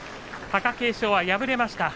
貴景勝に敗れました。